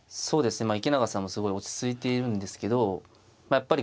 そうですねまあ池永さんもすごい落ち着いているんですけどまあ